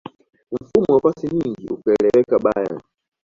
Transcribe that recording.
mfumo wa pasi nyingi ukaeleweka bayern